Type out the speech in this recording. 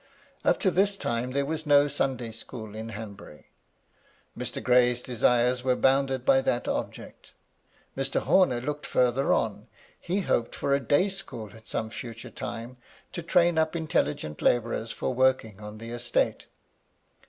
Up to this time there was no Sunday school in Hanbury. Mr. Gray*s desires were bounded by that object. Mr. Homer looked farther on : he hoped for a day school at some future time, to train up intelli gent labourers for working on the estate.